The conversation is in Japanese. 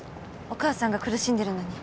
お母さんが苦しんでるのに。